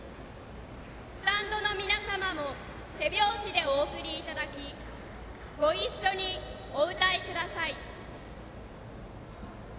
スタンドの皆様も手拍子でお送りいただきご一緒に、お歌いください。